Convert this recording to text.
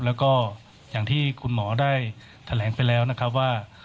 แล้วก็อย่างที่คุณหมอได้แถลงไปแล้วนะครับว่า